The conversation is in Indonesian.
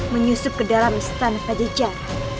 menyusup ke dalam istana pajajara